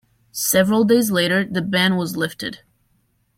Several days later the ban was lifted.